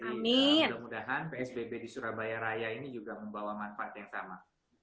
jadi mudah mudahan psbb di surabaya raya ini juga membawa manfaat yang sama